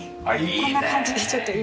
こんな感じでちょっと今。